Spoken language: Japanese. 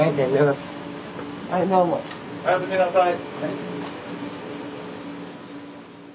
おやすみなさい。